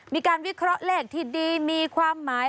มีการวิเคราะห์เลขที่ดีมีความหมาย